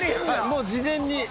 もう事前に。